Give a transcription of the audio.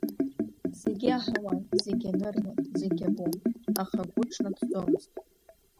Зегьы аҳауан, зегьы аныруан, зегь абон, аха агәы ҿныҭӡомызт.